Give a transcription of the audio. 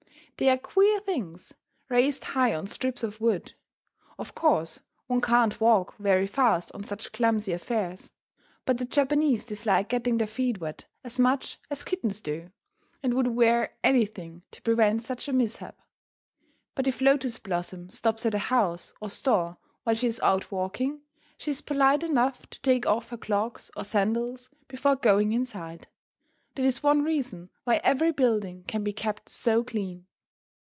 They are queer things, raised high on strips of wood. Of course one can't walk very fast on such clumsy affairs, but the Japanese dislike getting their feet wet as much as kittens do, and would wear anything to prevent such a mishap. But if Lotus Blossom stops at a house or store while she is out walking, she is polite enough to take off her clogs or sandals before going inside. That is one reason why every building can be kept so clean.